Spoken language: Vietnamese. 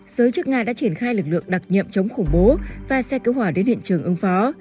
giới chức nga đã triển khai lực lượng đặc nhiệm chống khủng bố và xe cứu hỏa đến hiện trường ứng phó